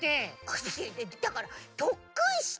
だからとっくんして！